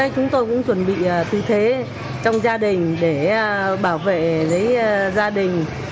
chúng tôi cũng chuẩn bị tư thế trong gia đình để bảo vệ lấy gia đình